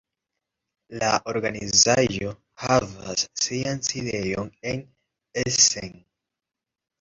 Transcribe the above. La organizaĵo havas sian sidejon en Essen.